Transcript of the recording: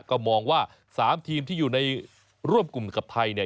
ก็มองว่า๓ทีมที่อยู่ในร่วมกลุ่มกับไทยเนี่ย